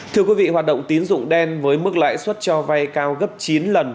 thưa quý vị hoạt động tín dụng đen với mức lãi suất cho vay cao gấp chín lần